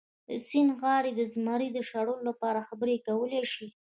د سیند غاړې د زمري د شړلو لپاره خبرې کولی شي.